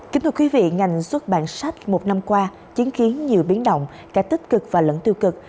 kính thưa quý vị ngành xuất bản sách một năm qua chứng kiến nhiều biến động cả tích cực và lẫn tiêu cực